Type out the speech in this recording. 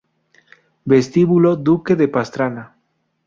Vestíbulo Duque de Pastrana